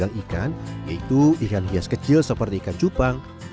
yang pertama adalah telapak pedagang ikan yaitu ikan hias kecil seperti ikan cupang